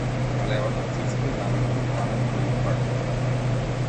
На левата цицка ѝ наместил камен белутрак.